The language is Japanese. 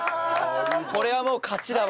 これはもう勝ちだわ。